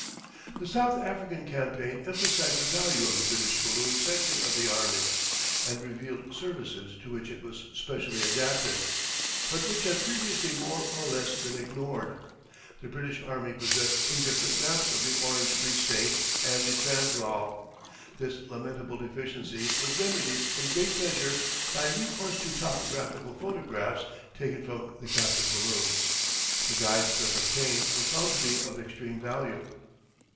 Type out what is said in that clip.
The South African campaign emphasised the value of the British balloon section of the Army, and revealed services to which it was specially adapted, but which had previously more or less been ignored. The British Army possessed indifferent maps of the Orange Free State and the Transvaal. This lamentable deficiency was remedied in great measure by recourse to topographical photographs taken from the captive balloons. The guides thus obtained were found to be of extreme value.